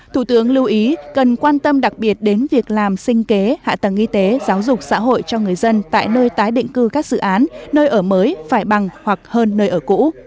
thủ tướng lưu ý cần quan tâm đặc biệt đến việc làm sinh kế hạ tầng y tế giáo dục xã hội cho người dân tại nơi tái định cư các dự án nơi ở mới phải bằng hoặc hơn nơi ở cũ